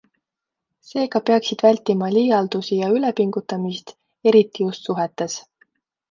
Seega peaksid vältima liialdusi ja ülepingutamist - eriti just suhetes.